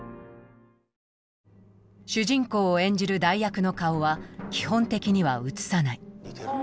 主人公を演じる代役の顔は基本的には映さない。